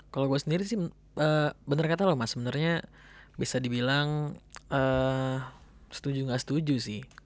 kalau gue sendiri sih bener kata loh mas sebenarnya bisa dibilang setuju nggak setuju sih